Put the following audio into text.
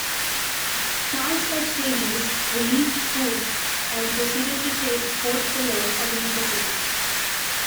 Charles H. Davis relieved Foote and proceeded to take Fort Pillow on the Mississippi.